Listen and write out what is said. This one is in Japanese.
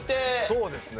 そうですね。